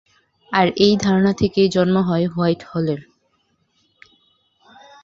আর এই ধারণা থেকেই জন্ম নেয় হোয়াইট হোলের।